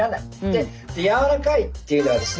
でやわらかいっていうのはですね